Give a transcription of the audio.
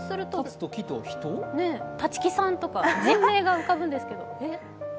立木さんとか人名が浮かぶんですけれども。